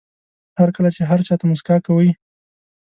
هر کله چې هر چا ته موسکا کوئ.